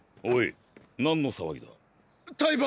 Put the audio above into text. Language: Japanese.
オイ何の騒ぎだ？